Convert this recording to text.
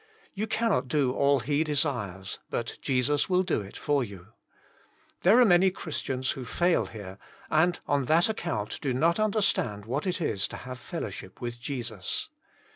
You cannot do all He desires, but Jesus will do it for you. There are many Christians who fail here, and on that account do not understand what it is to have fellowship with Jesus.